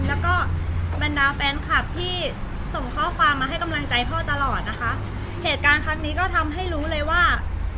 แล้วก็บรรดาแฟนคลับที่ส่งข้อความมาให้กำลังใจพ่อตลอดนะคะเหตุการณ์ครั้งนี้ก็ทำให้รู้เลยว่า